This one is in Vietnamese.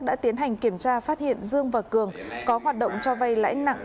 đã tiến hành kiểm tra phát hiện dương và cường có hoạt động cho vay lãi nặng